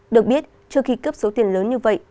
được biết trước khi cướp số tiền lớn như vậy